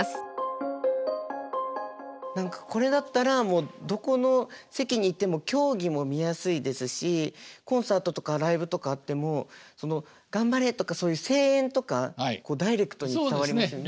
何かこれだったらどこの席にいても競技も見やすいですしコンサートとかライブとかあっても頑張れとかそういう声援とかダイレクトに伝わりますよね。